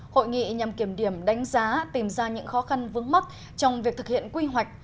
hội nghị nhằm kiểm điểm đánh giá tìm ra những khó khăn vướng mắt trong việc thực hiện quy hoạch